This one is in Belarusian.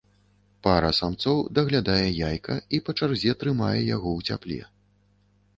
Пара самцоў даглядае яйка і па чарзе трымае яго ў цяпле.